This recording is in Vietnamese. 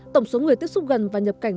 tổng số người tiếp xúc gần và nhập cảnh